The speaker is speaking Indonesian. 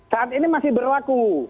saat ini masih berlaku